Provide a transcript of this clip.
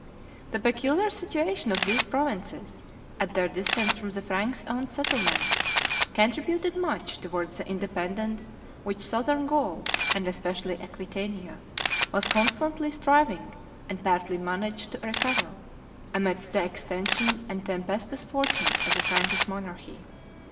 The peculiar situation of those provinces at their distance from the Franks' own settlements contributed much towards the independence which Southern Gaul, and especially Aquitania, was constantly striving and partly managed to recover, amidst the extension and tempestuous fortunes of the Frankish monarchy.